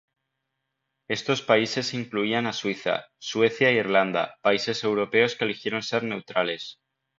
Estos países incluían a Suiza, Suecia e Irlanda, países europeos que eligieron ser neutrales.